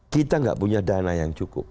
kita nggak punya dana yang cukup